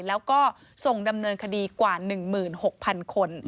แล้วก็ส่งดำเนินคดีกว่า๑๖๐๐๐คน